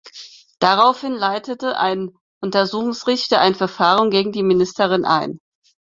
Daraufhin leitete ein Untersuchungsrichter ein Verfahren gegen die Ministerin ein.